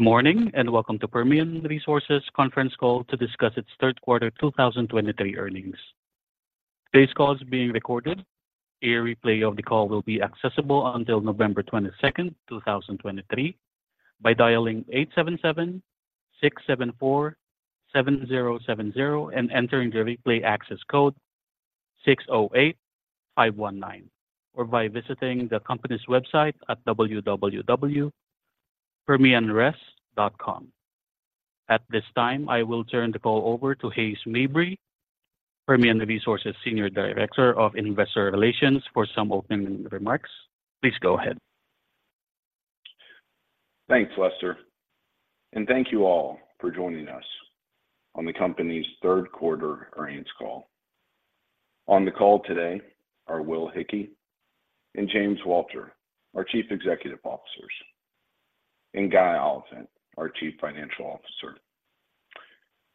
Good morning, and welcome to Permian Resources conference call to discuss its third quarter 2023 earnings. Today's call is being recorded. A replay of the call will be accessible until November 22, 2023, by dialing 877-674-7070 and entering the replay access code 608519, or by visiting the company's website at www.permianres.com. At this time, I will turn the call over to Hays Mabry, Permian Resources Senior Director of Investor Relations, for some opening remarks. Please go ahead. Thanks, Lester, and thank you all for joining us on the company's third quarter earnings call. On the call today are Will Hickey and James Walter, our Chief Executive Officers, and Guy Oliphint, our Chief Financial Officer.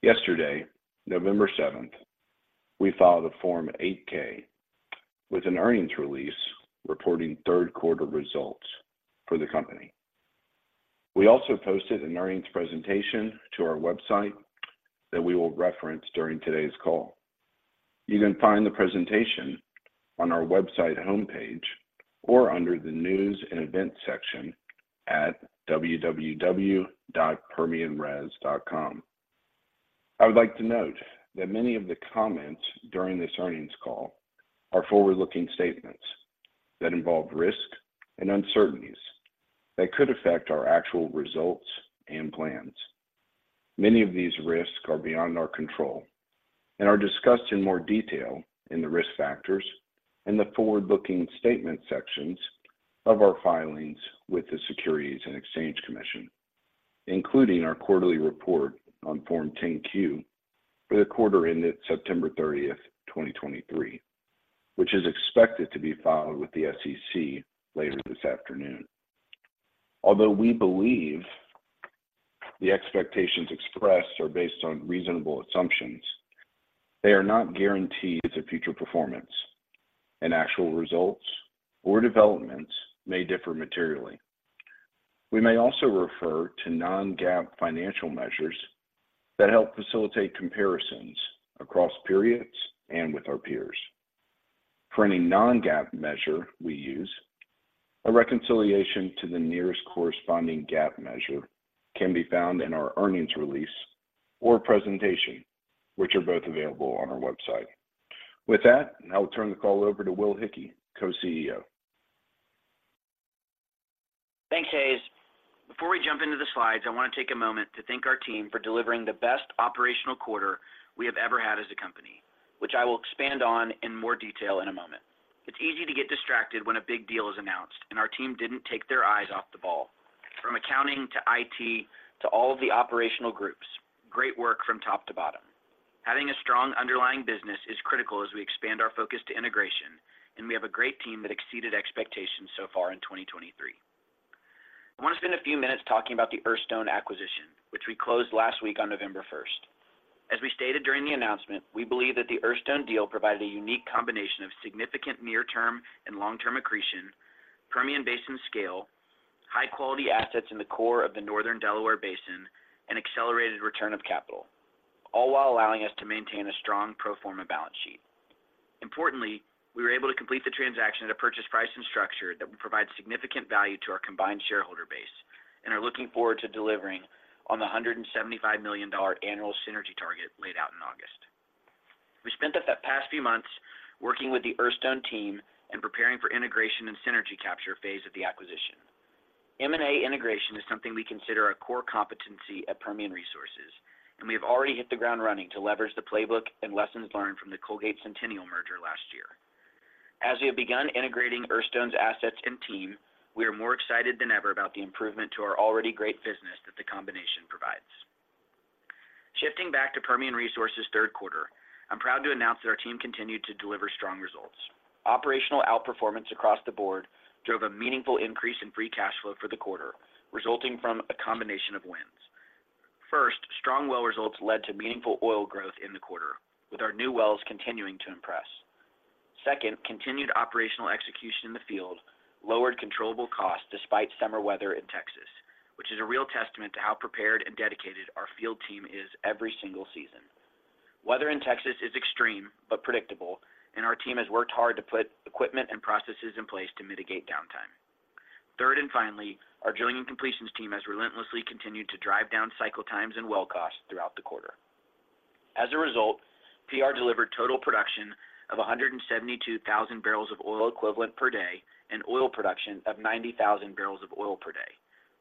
Yesterday, November 7th, we filed a Form 8-K with an earnings release reporting third quarter results for the company. We also posted an earnings presentation to our website that we will reference during today's call. You can find the presentation on our website homepage or under the News and Events section at www.permianres.com. I would like to note that many of the comments during this earnings call are forward-looking statements that involve risk and uncertainties that could affect our actual results and plans. Many of these risks are beyond our control and are discussed in more detail in the risk factors in the forward-looking statement sections of our filings with the Securities and Exchange Commission, including our quarterly report on Form 10-Q for the quarter ended September 30th, 2023, which is expected to be filed with the SEC later this afternoon. Although we believe the expectations expressed are based on reasonable assumptions, they are not guarantees of future performance, and actual results or developments may differ materially. We may also refer to non-GAAP financial measures that help facilitate comparisons across periods and with our peers. For any non-GAAP measure we use, a reconciliation to the nearest corresponding GAAP measure can be found in our earnings release or presentation, which are both available on our website. With that, I will turn the call over to Will Hickey, Co-CEO. Thanks, Hays. Before we jump into the slides, I want to take a moment to thank our team for delivering the best operational quarter we have ever had as a company, which I will expand on in more detail in a moment. It's easy to get distracted when a big deal is announced, and our team didn't take their eyes off the ball. From accounting to IT, to all of the operational groups, great work from top to bottom. Having a strong underlying business is critical as we expand our focus to integration, and we have a great team that exceeded expectations so far in 2023. I want to spend a few minutes talking about the Earthstone acquisition, which we closed last week on November 1st. As we stated during the announcement, we believe that the Earthstone deal provided a unique combination of significant near-term and long-term accretion, Permian Basin scale, high quality assets in the core of the northern Delaware Basin, and accelerated return of capital, all while allowing us to maintain a strong pro forma balance sheet. Importantly, we were able to complete the transaction at a purchase price and structure that will provide significant value to our combined shareholder base, and are looking forward to delivering on the $175 million annual synergy target laid out in August. We spent the past few months working with the Earthstone team and preparing for integration and synergy capture phase of the acquisition. M&A integration is something we consider a core competency at Permian Resources, and we have already hit the ground running to leverage the playbook and lessons learned from the Colgate Centennial merger last year. As we have begun integrating Earthstone's assets and team, we are more excited than ever about the improvement to our already great business that the combination provides. Shifting back to Permian Resources' third quarter, I'm proud to announce that our team continued to deliver strong results. Operational outperformance across the board drove a meaningful increase in free cash flow for the quarter, resulting from a combination of wins. First, strong well results led to meaningful oil growth in the quarter, with our new wells continuing to impress. Second, continued operational execution in the field lowered controllable costs despite summer weather in Texas, which is a real testament to how prepared and dedicated our field team is every single season. Weather in Texas is extreme but predictable, and our team has worked hard to put equipment and processes in place to mitigate downtime. Third, and finally, our drilling and completions team has relentlessly continued to drive down cycle times and well costs throughout the quarter. As a result, PR delivered total production of 172,000 barrels of oil equivalent per day and oil production of 90,000 barrels of oil per day,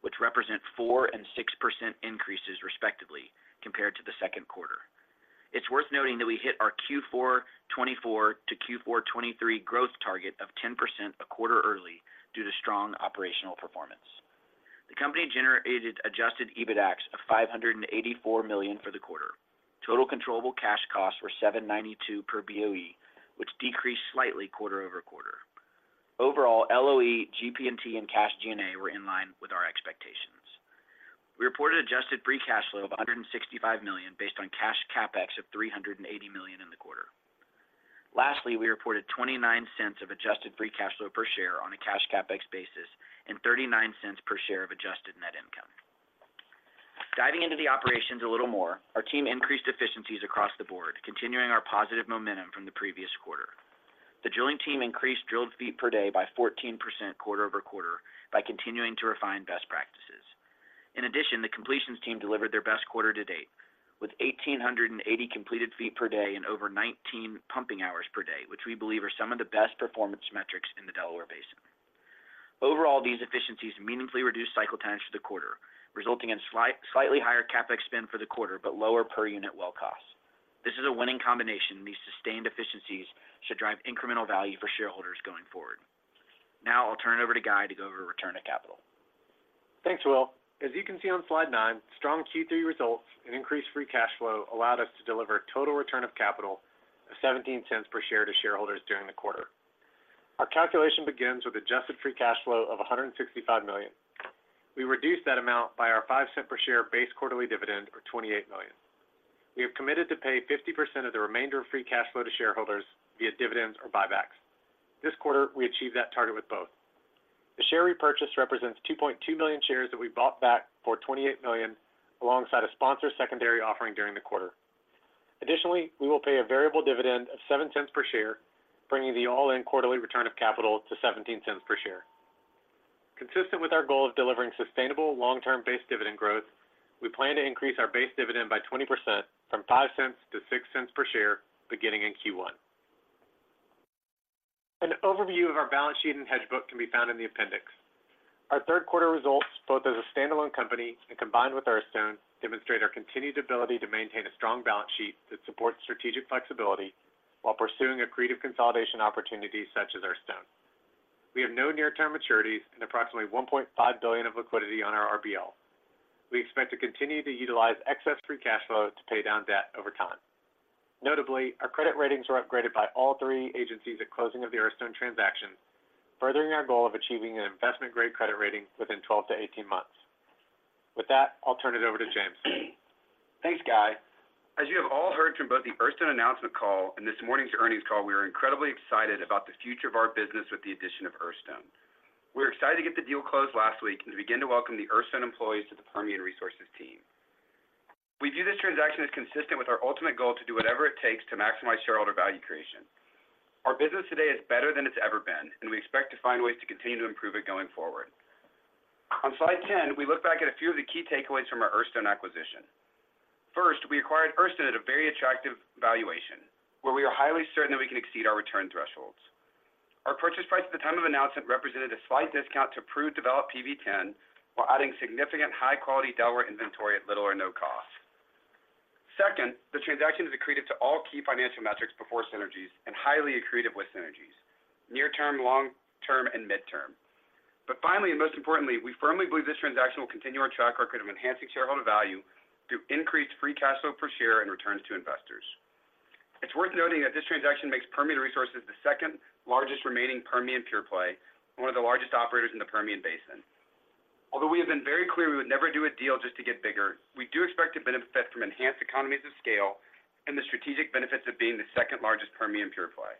which represent 4% and 6% increases, respectively, compared to the second quarter. It's worth noting that we hit our Q4 2024 to Q4 2023 growth target of 10% a quarter early due to strong operational performance. The company generated Adjusted EBITDA of $584 million for the quarter. Total controllable cash costs were $7.92 per BOE, which decreased slightly quarter-over-quarter. Overall, LOE, GP&T and Cash G&A were in line with our expectations. We reported adjusted free cash flow of $165 million, based on cash CapEx of $380 million in the quarter. Lastly, we reported $0.29 of adjusted free cash flow per share on a cash CapEx basis and $0.39 per share of adjusted net income. Diving into the operations a little more, our team increased efficiencies across the board, continuing our positive momentum from the previous quarter. The drilling team increased drilled feet per day by 14% quarter-over-quarter by continuing to refine best practices. In addition, the completions team delivered their best quarter to date, with 1,880 completed feet per day and over 19 pumping hours per day, which we believe are some of the best performance metrics in the Delaware Basin. Overall, these efficiencies meaningfully reduced cycle times for the quarter, resulting in slightly higher CapEx spend for the quarter, but lower per unit well costs. This is a winning combination, and these sustained efficiencies should drive incremental value for shareholders going forward. Now I'll turn it over to Guy to go over return on capital. Thanks, Will. As you can see on slide 9, strong Q3 results and increased free cash flow allowed us to deliver total return of capital of $0.17 per share to shareholders during the quarter. Our calculation begins with adjusted free cash flow of $165 million. We reduced that amount by our 5-cent per share base quarterly dividend of $28 million. We have committed to pay 50% of the remainder of free cash flow to shareholders via dividends or buybacks. This quarter, we achieved that target with both. The share repurchase represents 2.2 million shares that we bought back for $28 million, alongside a sponsor secondary offering during the quarter. Additionally, we will pay a variable dividend of $0.07 per share, bringing the all-in quarterly return of capital to $0.17 per share. Consistent with our goal of delivering sustainable long-term base dividend growth, we plan to increase our base dividend by 20% from $0.05 to $0.06 per share, beginning in Q1. An overview of our balance sheet and hedge book can be found in the appendix. Our third quarter results, both as a standalone company and combined with Earthstone, demonstrate our continued ability to maintain a strong balance sheet that supports strategic flexibility while pursuing accretive consolidation opportunities such as Earthstone. We have no near-term maturities and approximately $1.5 billion of liquidity on our RBL. We expect to continue to utilize excess free cash flow to pay down debt over time. Notably, our credit ratings were upgraded by all three agencies at closing of the Earthstone transaction, furthering our goal of achieving an investment-grade credit rating within 12-18 months. With that, I'll turn it over to James. Thanks, Guy. As you have all heard from both the Earthstone announcement call and this morning's earnings call, we are incredibly excited about the future of our business with the addition of Earthstone. We're excited to get the deal closed last week and to begin to welcome the Earthstone employees to the Permian Resources team. We view this transaction as consistent with our ultimate goal to do whatever it takes to maximize shareholder value creation. Our business today is better than it's ever been, and we expect to find ways to continue to improve it going forward. On slide ten, we look back at a few of the key takeaways from our Earthstone acquisition. First, we acquired Earthstone at a very attractive valuation, where we are highly certain that we can exceed our return thresholds. Our purchase price at the time of announcement represented a slight discount to proved developed PV10, while adding significant high-quality Delaware inventory at little or no cost. Second, the transaction is accretive to all key financial metrics before synergies and highly accretive with synergies, near term, long term, and midterm. But finally, and most importantly, we firmly believe this transaction will continue our track record of enhancing shareholder value through increased free cash flow per share and returns to investors. It's worth noting that this transaction makes Permian Resources the second largest remaining Permian pure play, and one of the largest operators in the Permian Basin. Although we have been very clear we would never do a deal just to get bigger, we do expect to benefit from enhanced economies of scale and the strategic benefits of being the second largest Permian pure play.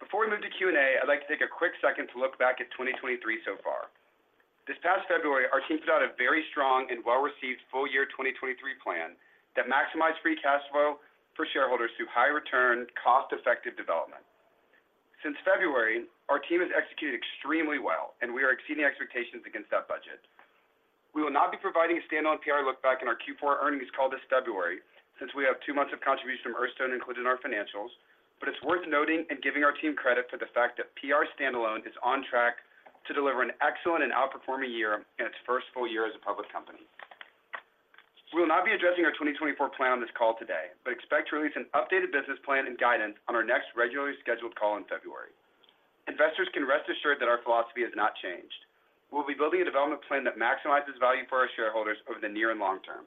Before we move to Q&A, I'd like to take a quick second to look back at 2023 so far. This past February, our team put out a very strong and well-received full year 2023 plan that maximized free cash flow for shareholders through high return, cost-effective development. Since February, our team has executed extremely well, and we are exceeding expectations against that budget. We will not be providing a standalone PR look back in our Q4 earnings call this February, since we have two months of contribution from Earthstone included in our financials. But it's worth noting and giving our team credit for the fact that PR standalone is on track to deliver an excellent and outperforming year in its first full year as a public company. We will not be addressing our 2024 plan on this call today, but expect to release an updated business plan and guidance on our next regularly scheduled call in February. Investors can rest assured that our philosophy has not changed. We'll be building a development plan that maximizes value for our shareholders over the near and long term.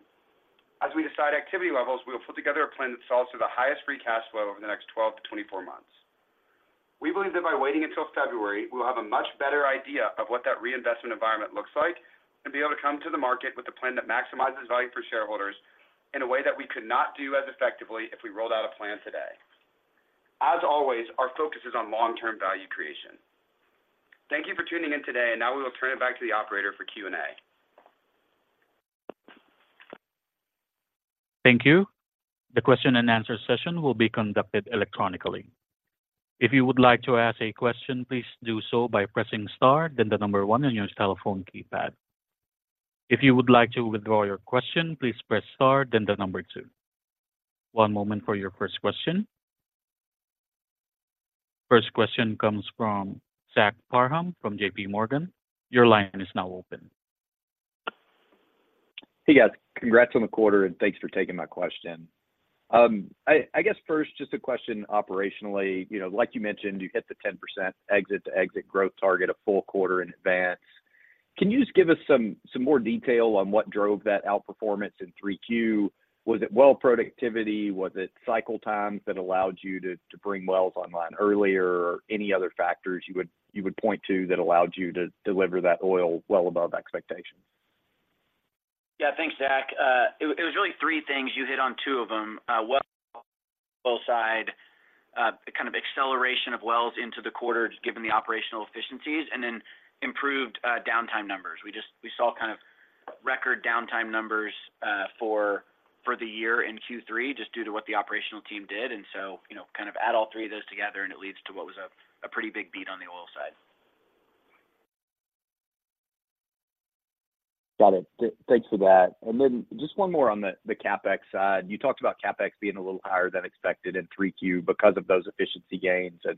As we decide activity levels, we will put together a plan that solves to the highest free cash flow over the next 12-24 months. We believe that by waiting until February, we will have a much better idea of what that reinvestment environment looks like and be able to come to the market with a plan that maximizes value for shareholders in a way that we could not do as effectively if we rolled out a plan today. As always, our focus is on long-term value creation. Thank you for tuning in today, and now we will turn it back to the operator for Q&A. Thank you. The question and answer session will be conducted electronically. If you would like to ask a question, please do so by pressing star, then 1 on your telephone keypad. If you would like to withdraw your question, please press star, then the 2. One moment for your first question. First question comes from Zach Parham from JP Morgan. Your line is now open. Hey, guys. Congrats on the quarter, and thanks for taking my question. I guess first, just a question operationally. You know, like you mentioned, you hit the 10% exit-to-exit growth target a full quarter in advance. Can you just give us some more detail on what drove that outperformance in 3Q? Was it well productivity? Was it cycle times that allowed you to bring wells online earlier? Or any other factors you would point to that allowed you to deliver that oil well above expectations? Yeah, thanks, Zach. It was really three things. You hit on two of them. Well side, the kind of acceleration of wells into the quarter, just given the operational efficiencies, and then improved downtime numbers. We just saw kind of record downtime numbers for the year in Q3, just due to what the operational team did. And so, you know, kind of add all three of those together, and it leads to what was a pretty big beat on the oil side. Got it. Thanks for that. And then just one more on the CapEx side. You talked about CapEx being a little higher than expected in 3Q because of those efficiency gains and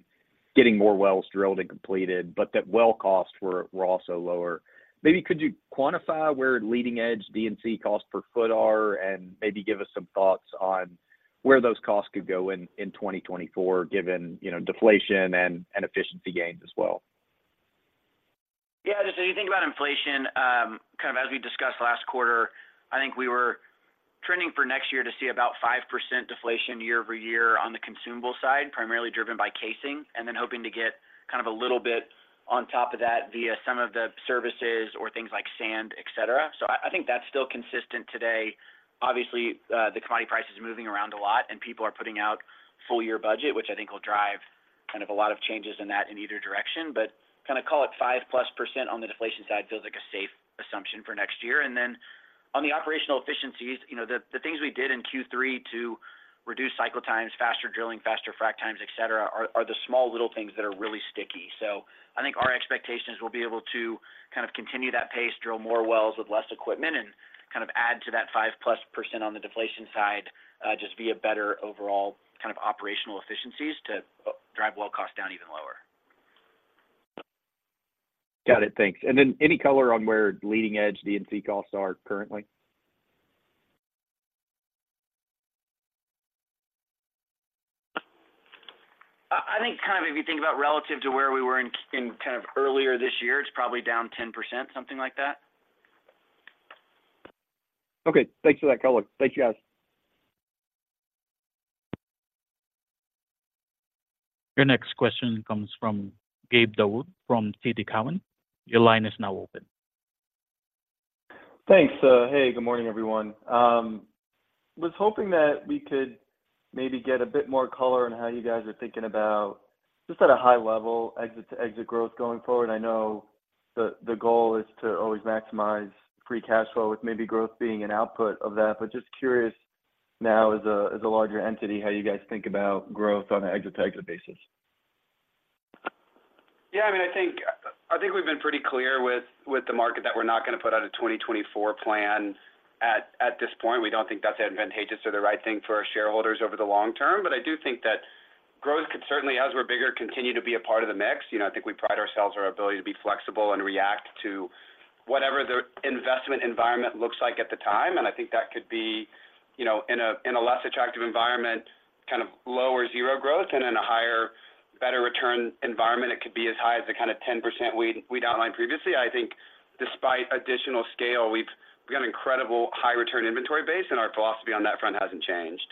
getting more wells drilled and completed, but well costs were also lower. Maybe could you quantify where leading-edge D&C cost per foot are, and maybe give us some thoughts on where those costs could go in 2024, given, you know, deflation and efficiency gains as well? Yeah, just so you think about inflation, kind of as we discussed last quarter, I think we were trending for next year to see about 5% deflation year-over-year on the consumable side, primarily driven by casing, and then hoping to get kind of a little bit on top of that via some of the services or things like sand, et cetera. So I think that's still consistent today. Obviously, the commodity price is moving around a lot, and people are putting out full-year budget, which I think will drive kind of a lot of changes in that in either direction. But kinda call it 5%+ on the deflation side, feels like a safe assumption for next year. And then on the operational efficiencies, you know, the things we did in Q3 to reduce cycle times, faster drilling, faster frack times, et cetera, are the small, little things that are really sticky. So I think our expectations, we'll be able to kind of continue that pace, drill more wells with less equipment, and kind of add to that 5%+ on the deflation side, just via better overall kind of operational efficiencies to drive well cost down even lower. Got it. Thanks. And then any color on where leading-edge D&C costs are currently? I think kind of if you think about relative to where we were in kind of earlier this year, it's probably down 10%, something like that. Okay. Thanks for that color. Thank you, guys. Your next question comes from Gabe Daoud from TD Cowen. Your line is now open. Thanks. Hey, good morning, everyone. Was hoping that we could maybe get a bit more color on how you guys are thinking about, just at a high level, exit to exit growth going forward. I know the, the goal is to always maximize free cash flow, with maybe growth being an output of that. But just curious now, as a, as a larger entity, how you guys think about growth on an exit to exit basis? Yeah, I mean, I think, I think we've been pretty clear with, with the market that we're not gonna put out a 2024 plan at, at this point. We don't think that's advantageous or the right thing for our shareholders over the long term, but I do think that growth could certainly, as we're bigger, continue to be a part of the mix. You know, I think we pride ourselves on our ability to be flexible and react to whatever the investment environment looks like at the time, and I think that could be, you know, in a, in a less attractive environment, kind of lower zero growth, and in a higher, better return environment, it could be as high as the kind of 10% we, we'd outlined previously. I think despite additional scale, we've got an incredible high return inventory base, and our philosophy on that front hasn't changed.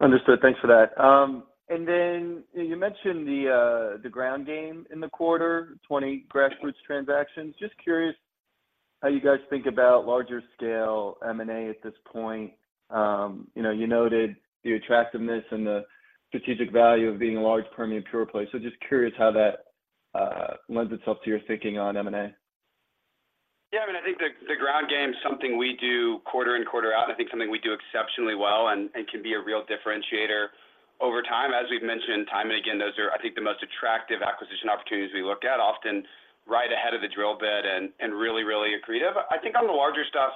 Understood. Thanks for that. And then you mentioned the ground game in the quarter, 20 grassroots transactions. Just curious how you guys think about larger scale M&A at this point. You know, you noted the attractiveness and the strategic value of being a large Permian pure play. So just curious how that lends itself to your thinking on M&A. Yeah, I mean, I think the ground game is something we do quarter in, quarter out. I think something we do exceptionally well and can be a real differentiator over time. As we've mentioned time and again, those are, I think, the most attractive acquisition opportunities we look at, often right ahead of the drill bit and really accretive. I think on the larger stuff,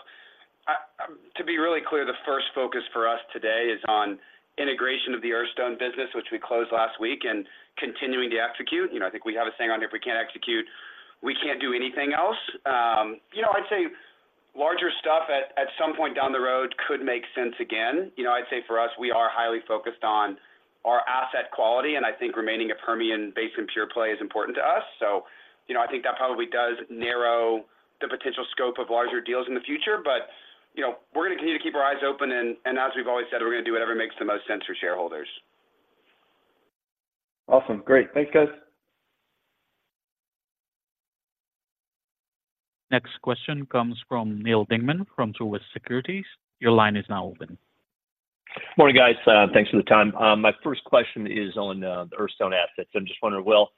to be really clear, the first focus for us today is on integration of the Earthstone business, which we closed last week, and continuing to execute. You know, I think we have a saying on, "If we can't execute, we can't do anything else." You know, I'd say larger stuff at some point down the road could make sense again. You know, I'd say for us, we are highly focused on our asset quality, and I think remaining a Permian Basin pure play is important to us. So, you know, I think that probably does narrow the potential scope of larger deals in the future, but, you know, we're gonna continue to keep our eyes open, and, and as we've always said, we're gonna do whatever makes the most sense for shareholders. Awesome. Great. Thanks, guys. Next question comes from Neal Dingmann from Truist Securities. Your line is now open. Morning, guys. Thanks for the time. My first question is on the Earthstone assets. I'm just wondering, Will,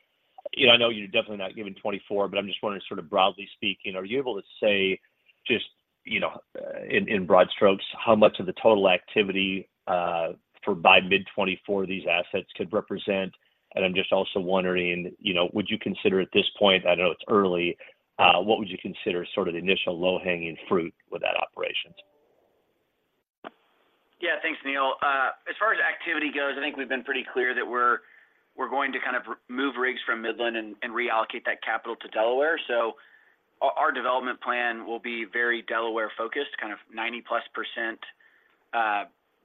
you know, I know you're definitely not giving 2024, but I'm just wondering, sort of broadly speaking, are you able to say just, you know, in broad strokes, how much of the total activity for by mid-2024 these assets could represent? And I'm just also wondering, you know, would you consider at this point, I know it's early, what would you consider sort of the initial low-hanging fruit with that operations? Yeah, thanks, Neal. As far as activity goes, I think we've been pretty clear that we're going to kind of move rigs from Midland and reallocate that capital to Delaware. So our development plan will be very Delaware-focused, kind of 90%+,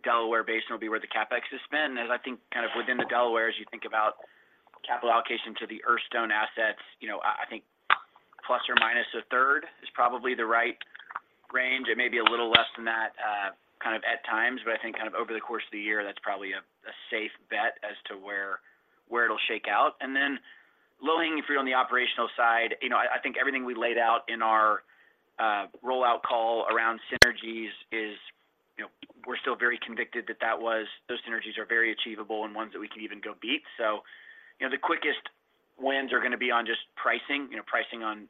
Delaware Basin will be where the CapEx is spent. And I think kind of within the Delaware, as you think about capital allocation to the Earthstone assets, you know, I think ± a third is probably the right range. It may be a little less than that, kind of at times, but I think kind of over the course of the year, that's probably a safe bet where it'll shake out. And then low-hanging fruit on the operational side, you know, I think everything we laid out in our rollout call around synergies is, you know, we're still very convicted that those synergies are very achievable and ones that we can even go beat. So, you know, the quickest wins are gonna be on just pricing. You know, pricing on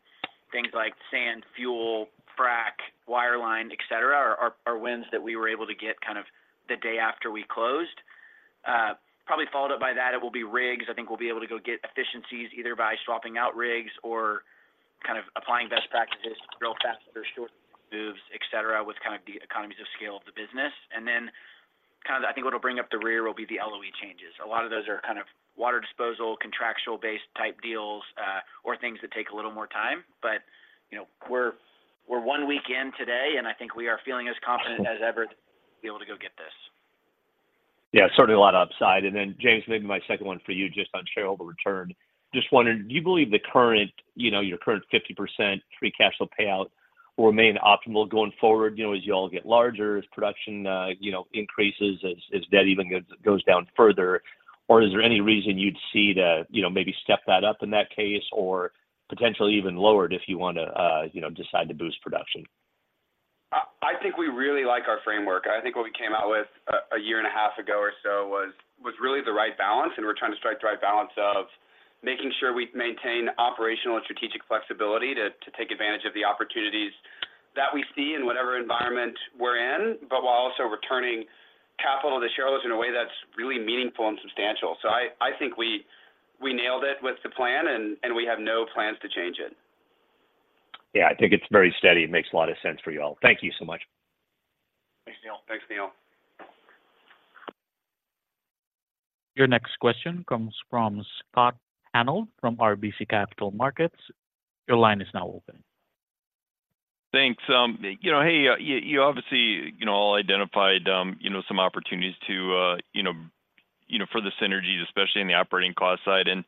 things like sand, fuel, frack, wireline, et cetera, are wins that we were able to get kind of the day after we closed. Probably followed up by that, it will be rigs. I think we'll be able to go get efficiencies, either by swapping out rigs or kind of applying best practices real fast for short moves, et cetera, with kind of the economies of scale of the business. And then, kind of, I think what'll bring up the rear will be the LOE changes. A lot of those are kind of water disposal, contractual-based type deals, or things that take a little more time. But, you know, we're, we're one week in today, and I think we are feeling as confident as ever to be able to go get this. Yeah, certainly a lot of upside. And then, James, maybe my second one for you, just on shareholder return. Just wondering, do you believe the current, you know, your current 50% free cash flow payout will remain optimal going forward, you know, as you all get larger, as production, you know, increases, as debt even goes down further? Or is there any reason you'd see to, you know, maybe step that up in that case, or potentially even lower it if you want to, you know, decide to boost production? I think we really like our framework. I think what we came out with a year and a half ago or so was really the right balance, and we're trying to strike the right balance of making sure we maintain operational and strategic flexibility to take advantage of the opportunities that we see in whatever environment we're in, but while also returning capital to shareholders in a way that's really meaningful and substantial. So I think we nailed it with the plan, and we have no plans to change it. Yeah, I think it's very steady. It makes a lot of sense for you all. Thank you so much. Thanks, Neal. Thanks, Neal. Your next question comes from Scott Hanold from RBC Capital Markets. Your line is now open. Thanks. You know, hey, you obviously, you know, all identified, you know, some opportunities to, you know, for the synergies, especially in the operating cost side. And,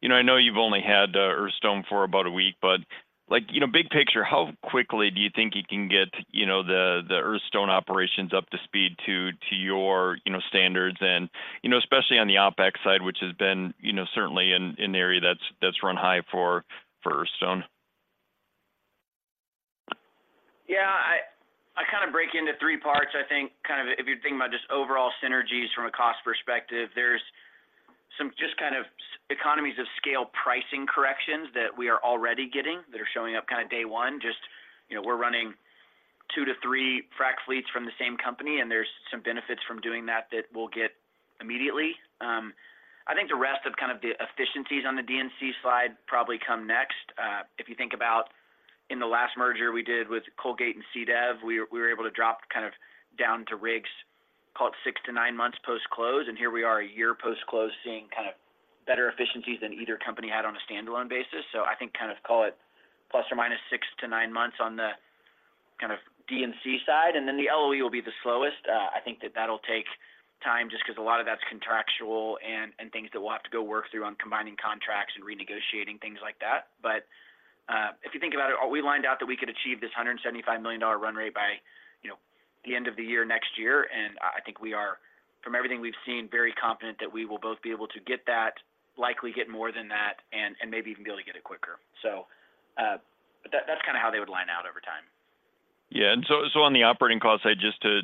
you know, I know you've only had Earthstone for about a week, but like, you know, big picture, how quickly do you think you can get, you know, the Earthstone operations up to speed to your, you know, standards and, you know, especially on the OpEx side, which has been, you know, certainly an area that's run high for Earthstone? Yeah, I kind of break into three parts. I think, kind of, if you're thinking about just overall synergies from a cost perspective, there's some just kind of economies of scale pricing corrections that we are already getting, that are showing up kind of day one. Just, you know, we're running 2-3 frack fleets from the same company, and there's some benefits from doing that, that we'll get immediately. I think the rest of kind of the efficiencies on the D&C slide probably come next. If you think about in the last merger we did with Colgate and CDEV, we were able to drop kind of down to rigs called 6-9 months post-close. And here we are, a year post-close, seeing kind of better efficiencies than either company had on a standalone basis. So I think kind of call it ±6-9 months on the kind of D&C side, and then the LOE will be the slowest. I think that that'll take time just 'cause a lot of that's contractual and, and things that we'll have to go work through on combining contracts and renegotiating, things like that. But, if you think about it, we lined out that we could achieve this $175 million run rate by, you know, the end of the year next year. And I, I think we are, from everything we've seen, very confident that we will both be able to get that, likely get more than that, and, and maybe even be able to get it quicker. So, but that, that's kind of how they would line out over time. Yeah. And so on the operating cost side, just to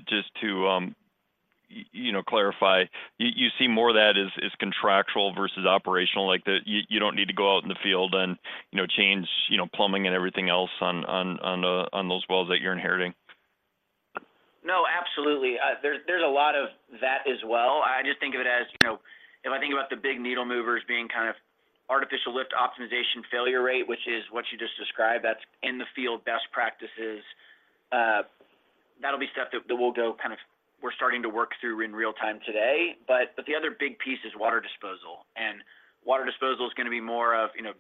you know, clarify, you see more of that as contractual versus operational? Like, that you don't need to go out in the field and, you know, change, you know, plumbing and everything else on those wells that you're inheriting. No, absolutely. There's, there's a lot of that as well. I just think of it as, you know... If I think about the big needle movers being kind of artificial lift optimization failure rate, which is what you just described, that's in the field, best practices. That'll be stuff that, that we'll go- we're starting to work through in real time today. But the other big piece is water disposal. And water disposal is gonna be more of, you know,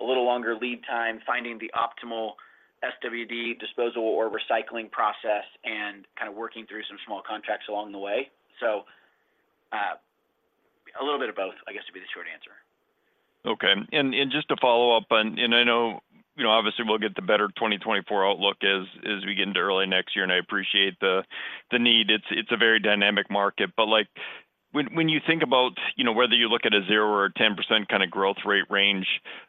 a little longer lead time, finding the optimal SWD disposal or recycling process, and kind of working through some small contracts along the way. So, a little bit of both, I guess, would be the short answer. Okay. And just to follow up on—and I know, you know, obviously, we'll get the better 2024 outlook as we get into early next year, and I appreciate the need. It's a very dynamic market. But, like, when you think about, you know, whether you look at a 0% or 10% kind of growth rate range,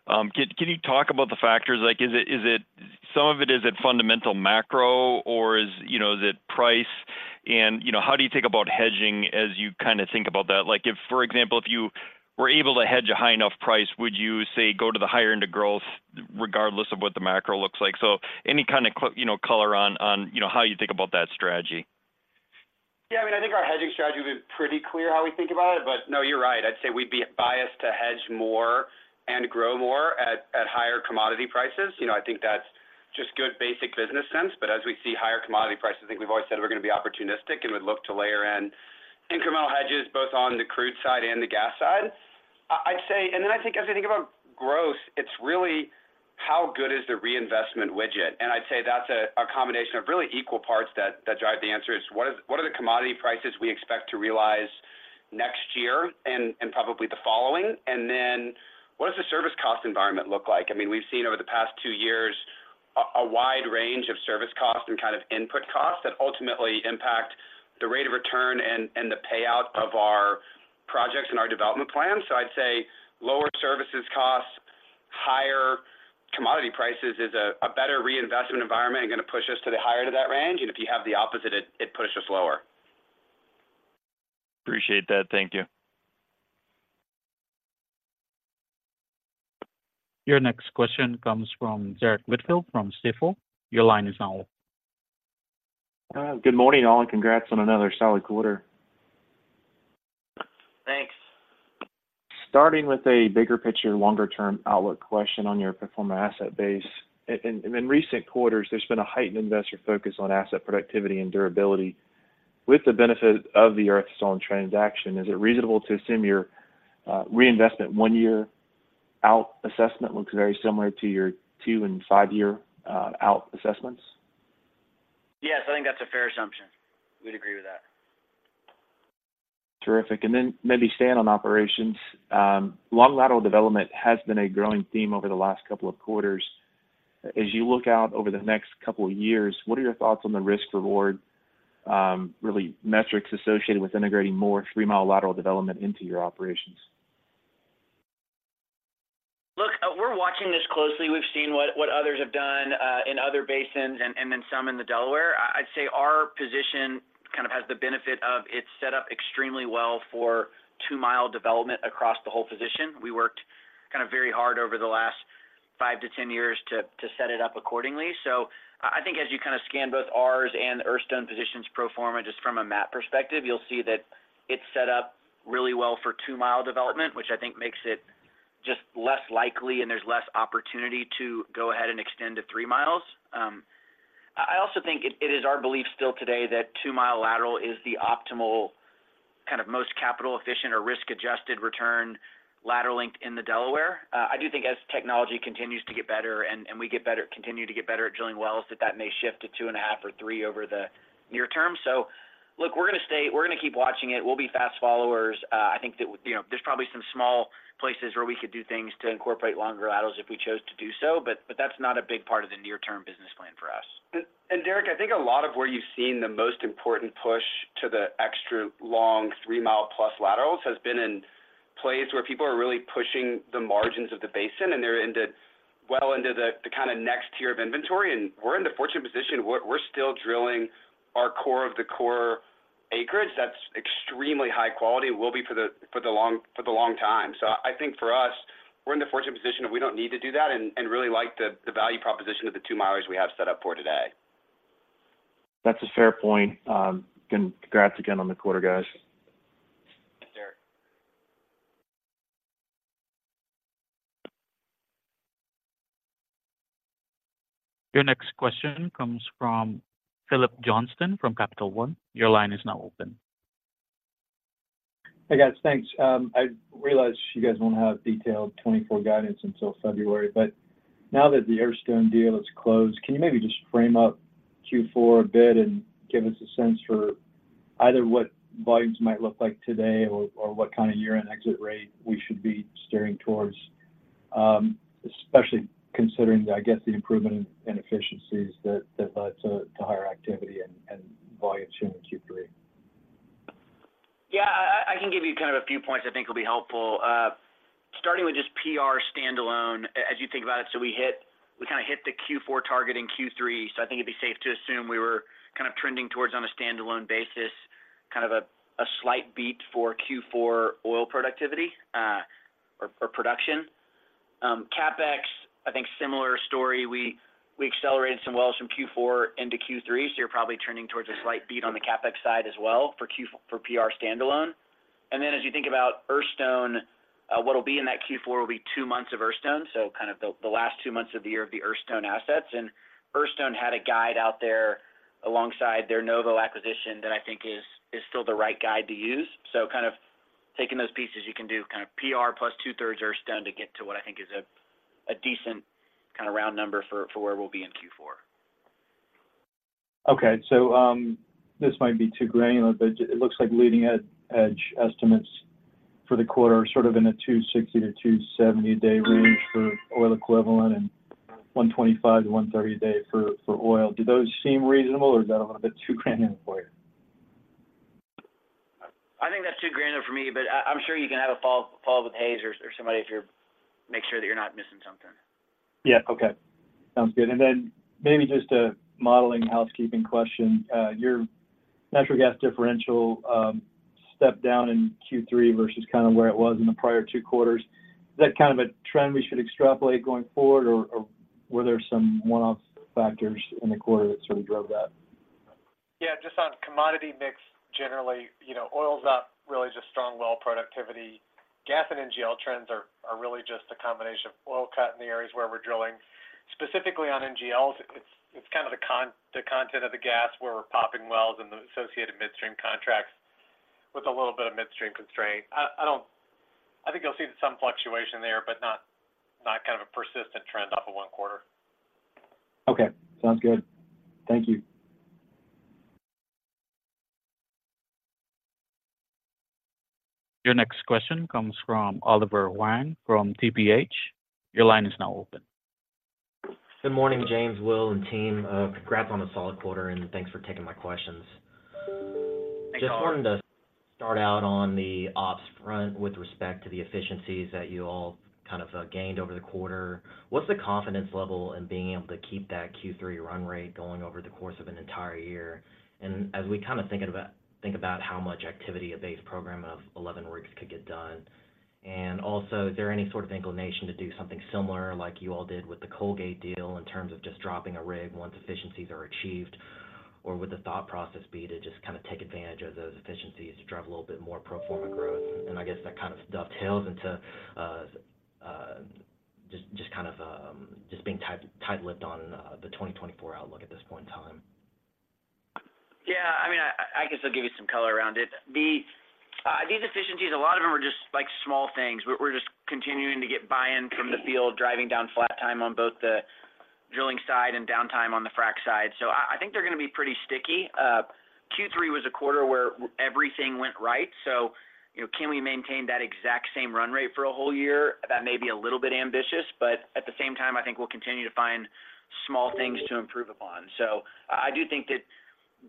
can you talk about the factors? Like, is it—some of it, is it fundamental macro, or is, you know, is it price? And, you know, how do you think about hedging as you kind of think about that? Like, if, for example, if you were able to hedge a high enough price, would you, say, go to the higher end of growth regardless of what the macro looks like? Any kind of color, you know, on how you think about that strategy. Yeah, I mean, I think our hedging strategy would be pretty clear how we think about it. But no, you're right. I'd say we'd be biased to hedge more and grow more at, at higher commodity prices. You know, I think that's just good basic business sense. But as we see higher commodity prices, I think we've always said we're gonna be opportunistic and would look to layer in incremental hedges, both on the crude side and the gas side. I, I'd say-- And then I think as I think about growth, it's really how good is the reinvestment widget? And I'd say that's a, a combination of really equal parts that, that drive the answer, is what is-- what are the commodity prices we expect to realize next year and, and probably the following, and then... cost environment look like? I mean, we've seen over the past two years a wide range of service costs and kind of input costs that ultimately impact the rate of return and the payout of our projects and our development plans. So I'd say lower services costs, higher commodity prices is a better reinvestment environment and gonna push us to the higher to that range. And if you have the opposite, it pushes us lower. Appreciate that. Thank you. Your next question comes from Derrick Whitfield from Stifel. Your line is now open. Good morning, all, and congrats on another solid quarter. Thanks. Starting with a bigger picture, longer-term outlook question on your pro forma asset base. In recent quarters, there's been a heightened investor focus on asset productivity and durability. With the benefit of the Earthstone transaction, is it reasonable to assume your reinvestment one year out assessment looks very similar to your two and five-year out assessments? Yes, I think that's a fair assumption. We'd agree with that. Terrific. And then maybe staying on operations. Long lateral development has been a growing theme over the last couple of quarters. As you look out over the next couple of years, what are your thoughts on the risk-reward, really, metrics associated with integrating more three-mile lateral development into your operations? Look, we're watching this closely. We've seen what others have done in other basins and then some in the Delaware. I'd say our position kind of has the benefit of it's set up extremely well for 2-mile development across the whole position. We worked kind of very hard over the last 5 to 10 years to set it up accordingly. So I think as you kind of scan both ours and Earthstone positions pro forma, just from a map perspective, you'll see that it's set up really well for 2-mile development, which I think makes it just less likely, and there's less opportunity to go ahead and extend to 3 miles. I also think it is our belief still today that 2-mile lateral is the optimal, kind of most capital efficient or risk-adjusted return lateral length in the Delaware. I do think as technology continues to get better and we continue to get better at drilling wells, that may shift to 2.5 or 3 over the near term. So look, we're gonna keep watching it. I think that, you know, there's probably some small places where we could do things to incorporate longer laterals if we chose to do so, but that's not a big part of the near-term business plan for us. And Derek, I think a lot of where you've seen the most important push to the extra-long, three-mile-plus laterals has been in places where people are really pushing the margins of the basin, and they're into... well into the kinda next tier of inventory. And we're in the fortunate position, we're still drilling our core of the core acreage that's extremely high quality and will be for the long time. So I think for us, we're in the fortunate position that we don't need to do that and really like the value proposition of the two-milers we have set up for today. That's a fair point. Congrats again on the quarter, guys. Thanks, Derek. Your next question comes from Phillips Johnston from Capital One. Your line is now open. Hey, guys. Thanks. I realize you guys won't have detailed 2024 guidance until February, but now that the Earthstone deal is closed, can you maybe just frame up Q4 a bit and give us a sense for either what volumes might look like today or what kind of year-end exit rate we should be steering towards? Especially considering, I guess, the improvement in efficiencies that led to higher activity and volume share in Q3. Yeah, I can give you kind of a few points I think will be helpful. Starting with just PR standalone, as you think about it, so we kinda hit the Q4 target in Q3, so I think it'd be safe to assume we were kind of trending towards, on a standalone basis, kind of a slight beat for Q4 oil productivity, or production. CapEx, I think similar story, we accelerated some wells from Q4 into Q3, so you're probably trending towards a slight beat on the CapEx side as well for Q for PR standalone. And then, as you think about Earthstone, what'll be in that Q4 will be two months of Earthstone, so kind of the last two months of the year of the Earthstone assets. Earthstone had a guide out there alongside their Novo acquisition that I think is, is still the right guide to use. Kind of taking those pieces, you can do kind of PR plus 2/3 Earthstone to get to what I think is a, a decent kind of round number for, for where we'll be in Q4. Okay. So, this might be too granular, but it looks like leading-edge estimates for the quarter are sort of in a 260-270-day range for oil equivalent, and 125-130-day for oil. Do those seem reasonable, or is that a little bit too granular for you? I think that's too granular for me, but I, I'm sure you can have a follow-up call with Hays or, or somebody to make sure that you're not missing something. Yeah. Okay. Sounds good. And then maybe just a modeling housekeeping question. Your natural gas differential stepped down in Q3 versus kind of where it was in the prior two quarters. Is that kind of a trend we should extrapolate going forward, or were there some one-off factors in the quarter that sort of drove that? Yeah, just on commodity mix, generally, you know, oil's up, really just strong well productivity. Gas and NGL trends are really just a combination of oil cut in the areas where we're drilling. Specifically on NGLs, it's kind of the content of the gas where we're popping wells and the associated midstream contracts with a little bit of midstream constraint. I don't think you'll see some fluctuation there, but not kind of a persistent trend off of one quarter. Okay. Sounds good. Thank you. Your next question comes from Oliver Huang from TPH. Your line is now open. Good morning, James, Will, and team. Congrats on a solid quarter, and thanks for taking my questions. Thanks, Oliver. Just wanted to start out on the ops front with respect to the efficiencies that you all kind of gained over the quarter. What's the confidence level in being able to keep that Q3 run rate going over the course of an entire year? And as we kind of think about how much activity a base program of 11 rigs could get done. And also, is there any sort of inclination to do something similar like you all did with the Colgate deal in terms of just dropping a rig once efficiencies are achieved? Or would the thought process be to just kind of take advantage of those efficiencies to drive a little bit more pro forma growth? I guess that kind of dovetails into just kind of being tight-lipped on the 2024 outlook at this point in time. Yeah, I mean, I guess I'll give you some color around it. These efficiencies, a lot of them are just like small things. We're just continuing to get buy-in from the field, driving down flat time on both the drilling side and downtime on the frack side. So I think they're gonna be pretty sticky. Q3 was a quarter where everything went right, so, you know, can we maintain that exact same run rate for a whole year? That may be a little bit ambitious, but at the same time, I think we'll continue to find small things to improve upon. So I do think that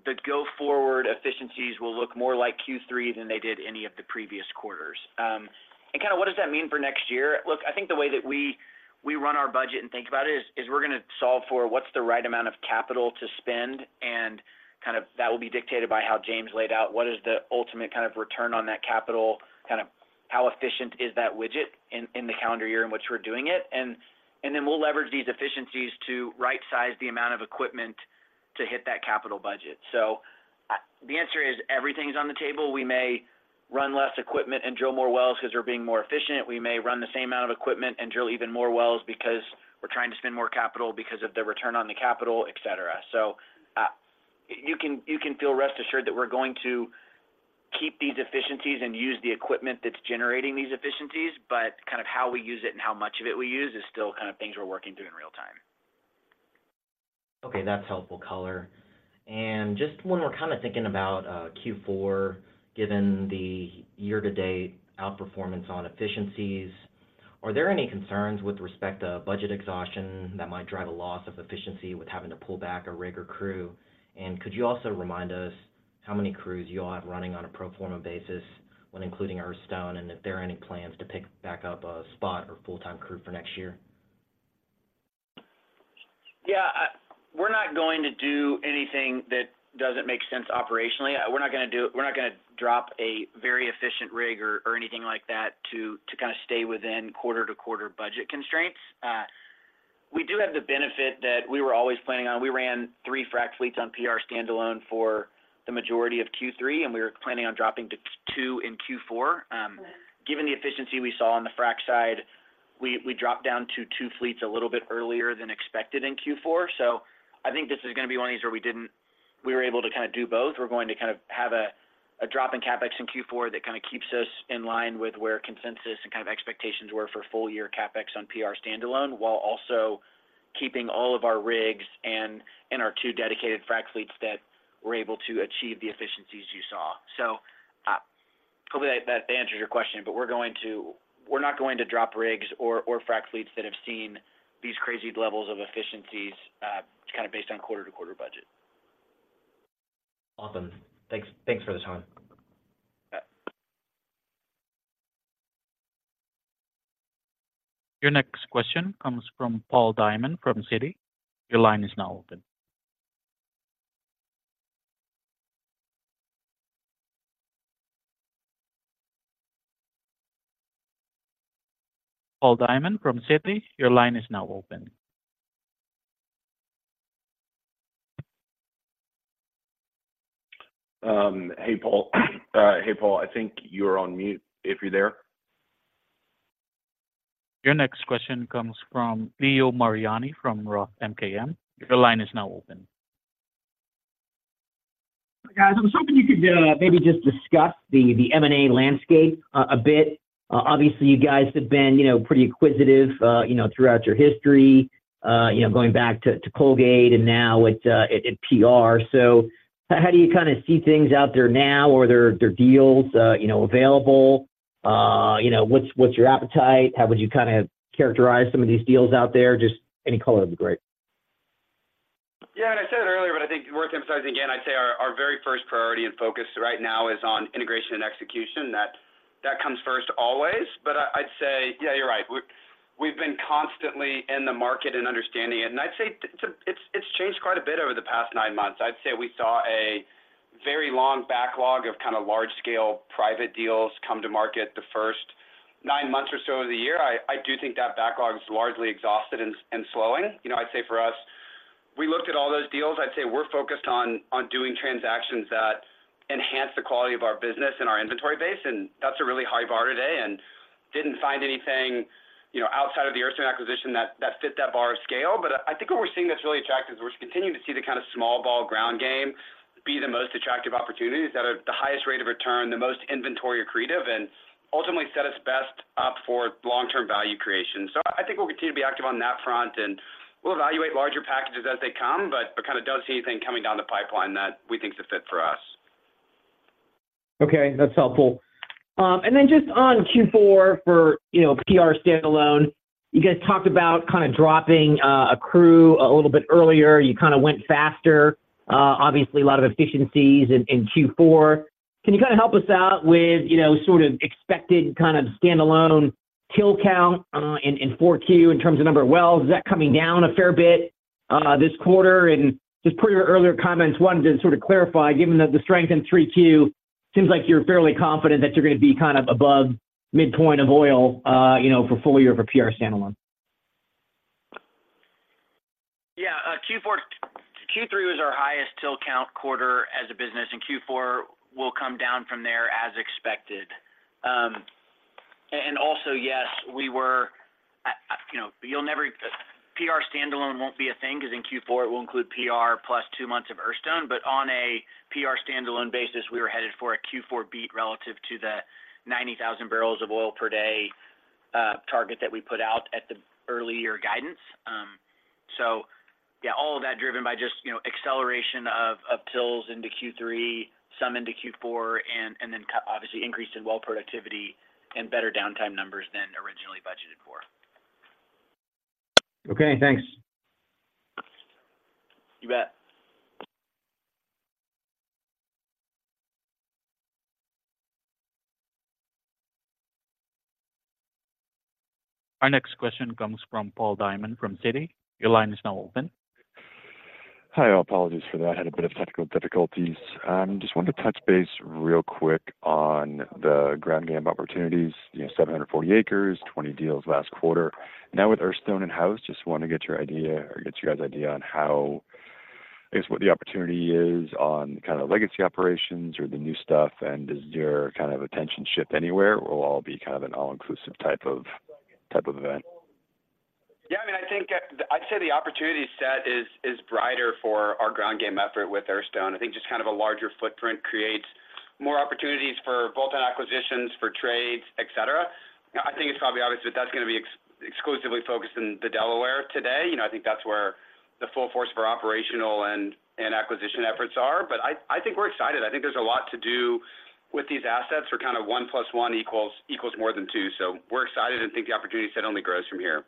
the go-forward efficiencies will look more like Q3 than they did any of the previous quarters. And kind of what does that mean for next year? Look, I think the way that we run our budget and think about it is we're gonna solve for what's the right amount of capital to spend, and kind of that will be dictated by how James laid out, what is the ultimate kind of return on that capital, kind of how efficient is that widget in the calendar year in which we're doing it? And then we'll leverage these efficiencies to right-size the amount of equipment to hit that capital budget. So, the answer is, everything is on the table. We may run less equipment and drill more wells because we're being more efficient. We may run the same amount of equipment and drill even more wells because we're trying to spend more capital because of the return on the capital, et cetera. So, you can, you can feel rest assured that we're going to keep these efficiencies and use the equipment that's generating these efficiencies, but kind of how we use it and how much of it we use is still kind of things we're working through in real time. Okay, that's helpful color. And just when we're kind of thinking about Q4, given the year-to-date outperformance on efficiencies, are there any concerns with respect to budget exhaustion that might drive a loss of efficiency with having to pull back a rig or crew? And could you also remind us how many crews you all have running on a pro forma basis when including Earthstone, and if there are any plans to pick back up a spot or full-time crew for next year? Yeah, we're not going to do anything that doesn't make sense operationally. We're not gonna drop a very efficient rig or anything like that to kind of stay within quarter-to-quarter budget constraints. We do have the benefit that we were always planning on. We ran 3 frack fleets on PR standalone for the majority of Q3, and we were planning on dropping to 2 in Q4. Given the efficiency we saw on the frack side, we dropped down to 2 fleets a little bit earlier than expected in Q4. So I think this is gonna be one of these where we were able to kind of do both. We're going to kind of have a drop in CapEx in Q4 that kind of keeps us in line with where consensus and kind of expectations were for full-year CapEx on PR standalone, while also keeping all of our rigs and our two dedicated frack fleets that were able to achieve the efficiencies you saw. So, hopefully that answers your question, but we're going to, we're not going to drop rigs or frack fleets that have seen these crazy levels of efficiencies, just kind of based on quarter-to-quarter budget. Awesome. Thanks, thanks for the time. Yeah. Your next question comes from Paul Diamond from Citi. Your line is now open. Paul Diamond from Citi, your line is now open. Hey, Paul. Hey, Paul, I think you're on mute, if you're there. Your next question comes from Leo Mariani from Roth MKM. Your line is now open. Guys, I was hoping you could maybe just discuss the M&A landscape a bit. Obviously, you guys have been, you know, pretty acquisitive, you know, throughout your history, you know, going back to Colgate and now with at PR. So how do you kinda see things out there now? Are there deals available? You know, what's your appetite? How would you kind of characterize some of these deals out there? Just any color would be great. Yeah, and I said it earlier, but I think worth emphasizing again. I'd say our very first priority and focus right now is on integration and execution. That comes first always. But I'd say, yeah, you're right. We've been constantly in the market and understanding it. And I'd say it's changed quite a bit over the past nine months. I'd say we saw a very long backlog of kind of large-scale private deals come to market the first nine months or so of the year. I do think that backlog is largely exhausted and slowing. You know, I'd say for us, we looked at all those deals. I'd say we're focused on doing transactions that enhance the quality of our business and our inventory base, and that's a really high bar today and didn't find anything, you know, outside of the Earthstone acquisition that fit that bar of scale. But I think what we're seeing that's really attractive is we're continuing to see the kind of small ball ground game be the most attractive opportunities that have the highest rate of return, the most inventory accretive, and ultimately set us best- for long-term value creation. So I think we'll continue to be active on that front, and we'll evaluate larger packages as they come, but kind of don't see anything coming down the pipeline that we think is a fit for us. Okay, that's helpful. And then just on Q4 for, you know, PR standalone, you guys talked about kinda dropping a crew a little bit earlier. You kinda went faster, obviously, a lot of efficiencies in Q4. Can you kinda help us out with, you know, sort of expected kind of standalone TIL count in Q4, in terms of number of wells? Is that coming down a fair bit this quarter? And just per your earlier comments, wanted to sort of clarify, given that the strength in 3Q, seems like you're fairly confident that you're gonna be kind of above midpoint of oil, you know, for full year of a PR standalone. Yeah, Q3 was our highest TIL count quarter as a business, and Q4 will come down from there as expected. And also, yes, we were, you know, PR standalone won't be a thing because in Q4, it will include PR plus two months of Earthstone. But on a PR standalone basis, we were headed for a Q4 beat relative to the 90,000 barrels of oil per day target that we put out at the early year guidance. So yeah, all of that driven by just, you know, acceleration of TILs into Q3, some into Q4, and then obviously increased in well productivity and better downtime numbers than originally budgeted for. Okay, thanks. You bet. Our next question comes from Paul Diamond, from Citi. Your line is now open. Hi, all. Apologies for that. I had a bit of technical difficulties. Just wanted to touch base real quick on the ground game opportunities, you know, 740 acres, 20 deals last quarter. Now with Earthstone in-house, just want to get your idea or get you guys' idea on how, I guess, what the opportunity is on kind of legacy operations or the new stuff, and is your kind of attention shift anywhere, or will all be kind of an all-inclusive type of, type of event? Yeah, I mean, I think I'd say the opportunity set is brighter for our ground game effort with Earthstone. I think just kind of a larger footprint creates more opportunities for bolt-on acquisitions, for trades, et cetera. I think it's probably obvious, but that's gonna be exclusively focused in the Delaware today. You know, I think that's where the full force of our operational and acquisition efforts are. But I think we're excited. I think there's a lot to do with these assets for kind of one plus one equals more than two. So we're excited and think the opportunity set only grows from here.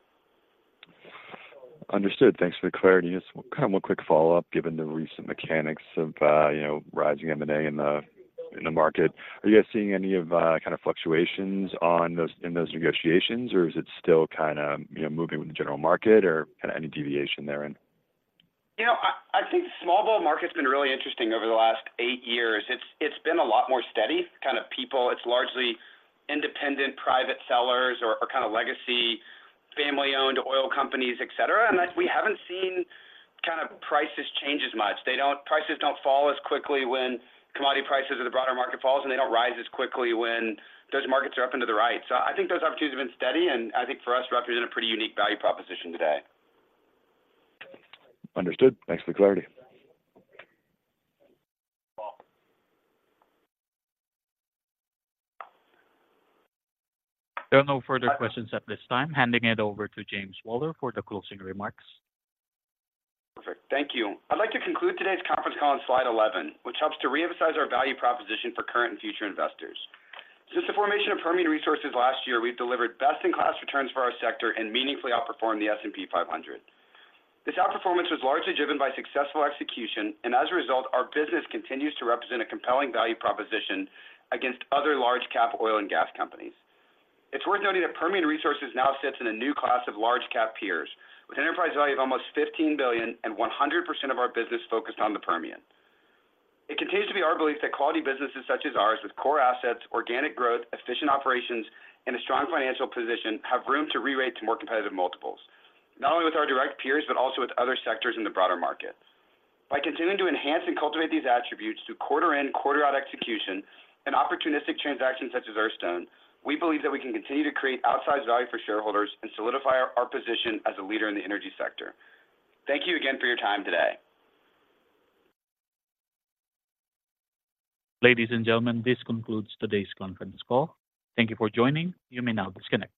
Understood. Thanks for the clarity. Just one quick follow-up, given the recent mechanics of, you know, rising M&A in the, in the market. Are you guys seeing any of, kind of fluctuations in those negotiations, or is it still kinda, you know, moving with the general market or kinda any deviation therein? You know, I, I think the small bolt-on market has been really interesting over the last eight years. It's, it's been a lot more steady, kind of people. It's largely independent, private sellers or, or kind of legacy, family-owned oil companies, et cetera. And that we haven't seen kind of prices change as much. They don't—prices don't fall as quickly when commodity prices or the broader market falls, and they don't rise as quickly when those markets are up, in the right. So I think those opportunities have been steady, and I think for us, represent a pretty unique value proposition today. Understood. Thanks for the clarity. Cool. There are no further questions at this time. Handing it over to James Walter for the closing remarks. Perfect. Thank you. I'd like to conclude today's conference call on slide 11, which helps to reemphasize our value proposition for current and future investors. Since the formation of Permian Resources last year, we've delivered best-in-class returns for our sector and meaningfully outperformed the S&P 500. This outperformance was largely driven by successful execution, and as a result, our business continues to represent a compelling value proposition against other large cap oil and gas companies. It's worth noting that Permian Resources now sits in a new class of large cap peers, with enterprise value of almost $15 billion and 100% of our business focused on the Permian. It continues to be our belief that quality businesses such as ours, with core assets, organic growth, efficient operations, and a strong financial position, have room to rerate to more competitive multiples. Not only with our direct peers, but also with other sectors in the broader market. By continuing to enhance and cultivate these attributes through quarter in, quarter out execution and opportunistic transactions such as Earthstone, we believe that we can continue to create outsized value for shareholders and solidify our position as a leader in the energy sector. Thank you again for your time today. Ladies and gentlemen, this concludes today's conference call. Thank you for joining. You may now disconnect.